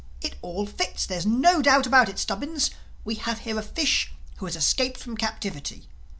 It all fits. There's no doubt about it, Stubbins: we have here a fish who has escaped from captivity.